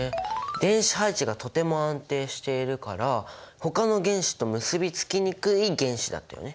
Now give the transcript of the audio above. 電子配置がとても安定しているからほかの原子と結び付きにくい原子だったよね。